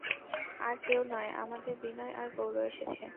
আর কেউ নয়, আমাদের বিনয় আর গৌর এসেছে।